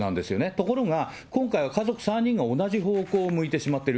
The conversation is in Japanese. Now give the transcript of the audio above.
ところが、今回は家族３人が同じ方向を向いてしまっている。